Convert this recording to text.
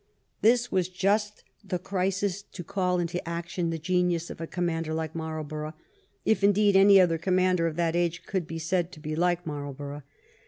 This was just the crisis to call into action the genius of a conmiander like Marlborough, if, indeed, any other commander of that age could be said to be like Marlborough.